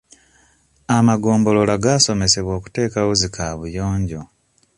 Amagombolola gaasomesebwa okuteekawo zi kaabuyonjo.